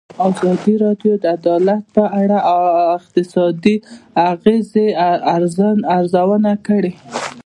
ازادي راډیو د عدالت په اړه د اقتصادي اغېزو ارزونه کړې.